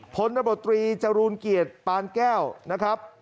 พนจรูนเกียจปานแก้วนะครับ